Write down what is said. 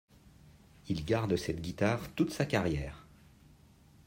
Il garde cette guitare toute sa carrière.